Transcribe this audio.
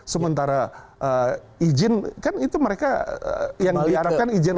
sementara izin kan itu mereka yang diharapkan izin